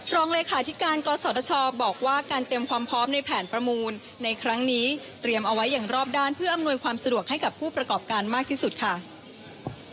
รองเลขาธิการกศชบอกว่าการเตรียมความพร้อมในแผนประมูลในครั้งนี้เตรียมเอาไว้อย่างรอบด้านเพื่ออำนวยความสะดวกให้กับผู้ประกอบการมากที่สุดค่ะ